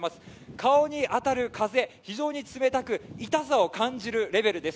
顔に当たる風、非常に冷たく、痛さを感じるレベルです。